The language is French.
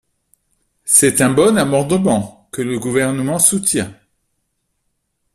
C’est un bon amendement, que le Gouvernement soutient.